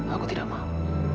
aku tidak mau